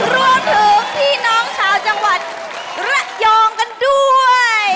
รวมถึงพี่น้องชาวจังหวัดระยองกันด้วย